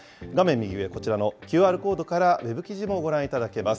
右上、こちらのＱＲコードからウェブ記事もご覧いただけます。